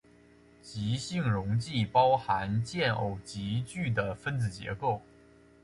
极性溶剂为包含键偶极矩的分子结构。